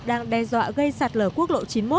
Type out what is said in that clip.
đang đe dọa gây sạt lở quốc lộ chín mươi một